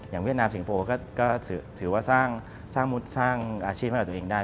เวียดนามสิงคโปร์ก็ถือว่าสร้างมุตรสร้างอาชีพให้กับตัวเองได้